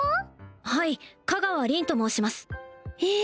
はい香川凛と申しますえ